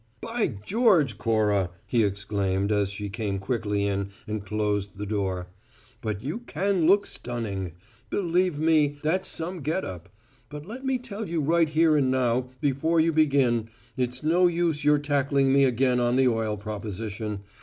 "By George, Cora!" he exclaimed, as she came quickly in and closed the door, "but you can look stunning! Believe me, that's some get up. But let me tell you right here and now, before you begin, it's no use your tackling me again on the oil proposition.